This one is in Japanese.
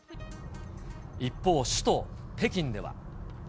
一方、首都北京では。